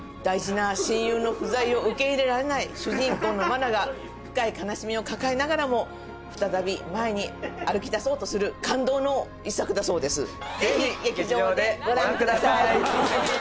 大事な親友の不在を受け入れられない主人公の真奈が深い悲しみを抱えながらも再び前に歩きだそうとする感動の一作だそうです。